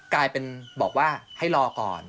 กลายเป็นบอกว่าให้รอก่อน